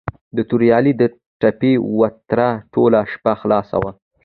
د توریالي د پټي وتره ټوله شپه خلاصه وه.